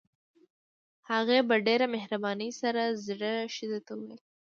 هغې په ډېره مهربانۍ سره زړې ښځې ته وويل.